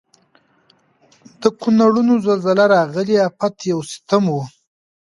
د کونړونو زلزله راغلي افت یو ستم و.